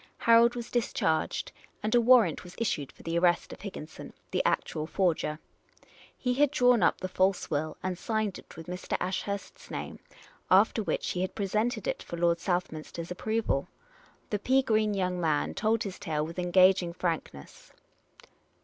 Harold was discharged, and a warrant was issued for the arrest of Higginson, the actual forger. He had drawn up the false will and signed it with Mr. Ashurst's name, after which he had presented it for Lord Southminster's approval. The pea green young man told his tale with engaging frankness.